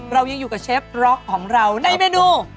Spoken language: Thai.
เรายังอยู่กับเชฟร็อกของเราในเมนู